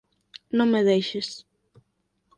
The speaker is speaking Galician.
Non me deixes.